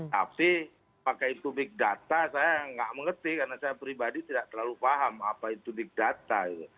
tapi pakai itu big data saya nggak mengerti karena saya pribadi tidak terlalu paham apa itu big data